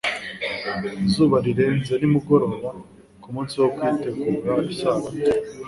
Izuba rirenze nimugoroba ku munsi wo kwitegura isabato,